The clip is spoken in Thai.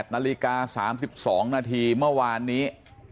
นาฬิกา๓๒นาทีเมื่อวานนี้